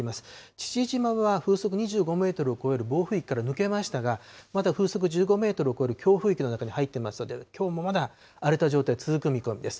父島は風速２５メートルを超える暴風域から抜けましたが、まだ風速１５メートルを超える強風域の中に入っていますので、きょうもまだ荒れた状態続く見込みです。